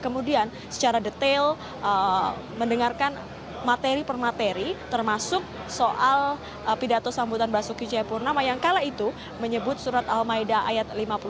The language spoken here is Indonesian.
kemudian secara detail mendengarkan materi per materi termasuk soal pidato sambutan basuki cepurnama yang kala itu menyebut surat al maida ayat lima puluh satu